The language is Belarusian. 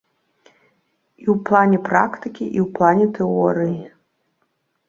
І ў плане практыкі, і ў плане тэорыі.